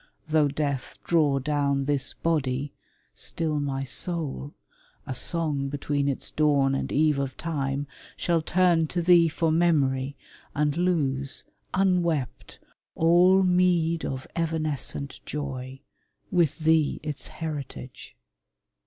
Though death draw down this body, still my soul A song between its dawn and eve of time — Shall turn to thee for memory, and lose, Unwept, all meed of evanescent joy, With thee its heritage.